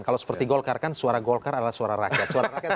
kalau seperti golkar kan suara golkar adalah suara rakyat